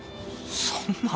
そんな。